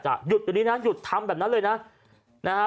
หยุดอยู่นี้นะหยุดทำแบบนั้นเลยนะ